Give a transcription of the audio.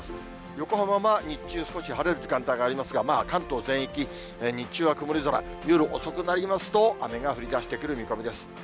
横浜は日中少し晴れる時間帯がありますが、関東全域、日中は曇り空、夜遅くなりますと、雨が降りだしてくる見込みです。